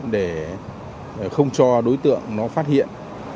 để không cho đối tượng nó phát hiện